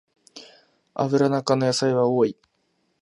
アブラナ科の野菜は多い